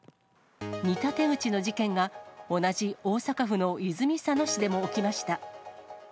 似た手口の事件が同じ大阪府の泉佐野市でも起きました。